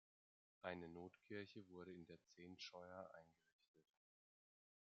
Eine Notkirche wurde in der Zehntscheuer eingerichtet.